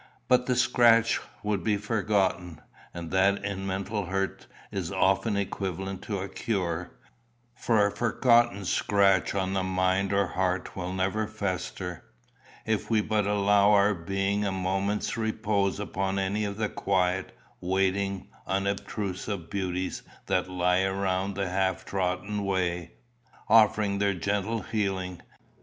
But a scratch would be forgotten and that in mental hurts is often equivalent to a cure, for a forgotten scratch on the mind or heart will never fester if we but allowed our being a moment's repose upon any of the quiet, waiting, unobtrusive beauties that lie around the half trodden way, offering their gentle healing.